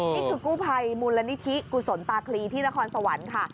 นี่คือกู้ภัยมูลนิธิกุศลตาคลีที่นครสวรรค์ค่ะ